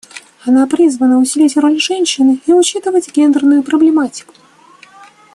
Она призвана усилить роль женщин и учитывать гендерную проблематику.